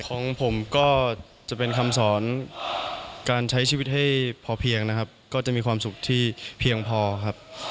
ของผมก็จะเป็นคำสอนการใช้ชีวิตให้พอเพียงนะครับก็จะมีความสุขที่เพียงพอครับ